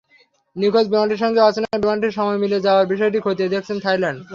নিখোঁজ বিমানটির সঙ্গে অচেনা বিমানটির সময় মিলে যাওয়ার বিষয়টি খতিয়ে দেখছে থাইল্যান্ড।